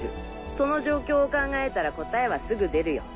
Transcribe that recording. その状況を考えたら答えはすぐ出るよ。